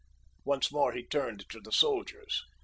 Once more he turned to the soldiers.